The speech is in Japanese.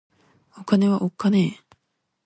お金はおっかねぇ